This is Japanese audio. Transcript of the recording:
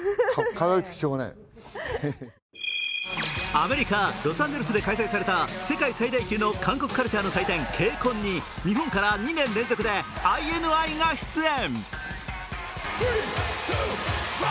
アメリカ・ロサンゼルスで開催された世界最大級の韓国カルチャーの祭典・ＫＣＯＮに日本から２年連続でＩＮＩが出演。